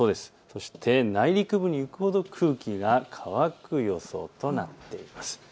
そして内陸部に行くほど空気が乾く予想となっています。